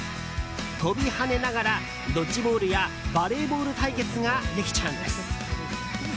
跳びはねながらドッジボールやバレーボール対決ができちゃうんです。